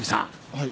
はい？